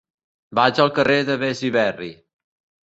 Vaig al carrer de Besiberri.